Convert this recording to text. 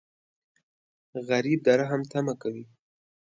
غریب د رحم تمه کوي